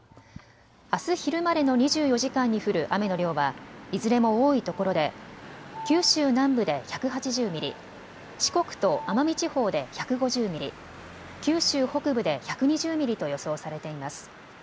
あす昼までの２４時間に降る雨の量はいずれも多いところで九州南部で１８０ミリ、四国と奄美地方で１５０ミリ、九州北部で１２０ミリと予想されています。